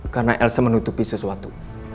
karena elsa menutupi sesuatu